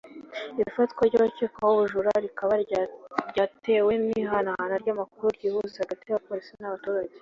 Ifatwa ry’aba bakekwaho ubu bujura rikaba ryatewe n’ihanahana ry’amakuru ryihuse hagati ya polisi n’abaturage